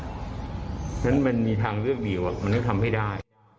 นั้นมันมันมันเป็นทางเลือกถือว่ามันก็ทำให้ได้